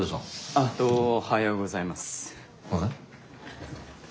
あっどはようございます。